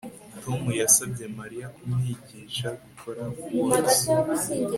Tom yasabye Mariya kumwigisha gukora waltz